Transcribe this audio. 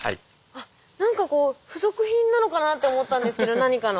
あっ何かこう付属品なのかなと思ったんですけど何かの。